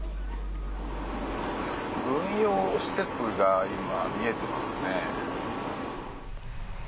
軍用施設が今、見えていますね。